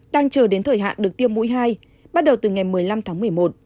đang chờ đến thời hạn được tiêm mũi hai bắt đầu từ ngày một mươi năm tháng một mươi một